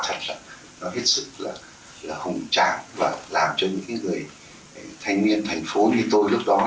thanh niên thành phố như tôi lúc đó